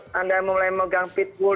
ini kalau anda mulai memegang belgian shepherd